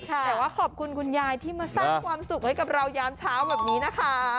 แต่ว่าขอบคุณคุณยายที่มาสร้างความสุขให้กับเรายามเช้าแบบนี้นะคะ